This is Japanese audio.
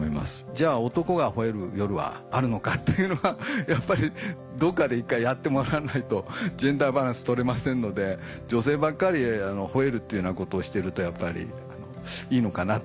じゃあ男が吠える夜はあるのかというのはやっぱりどっかで１回やってもらわないとジェンダーバランス取れませんので女性ばっかり吠えるっていうようなことをしてるとやっぱりいいのかな？という。